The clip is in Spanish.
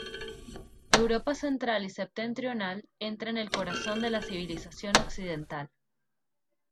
Europa Central y Septentrional entran en el corazón de la civilización Occidental.